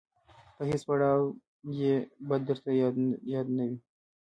په هیڅ پړاو یې بد درته یاد نه وي.